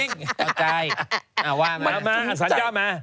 น้องผมมาสัญญามา